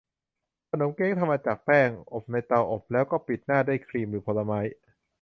ขนมเค้กทำมาจากแป้ง อบในเตาอบ แล้วก็ปิดหน้าด้วยครีมหรือผลไม้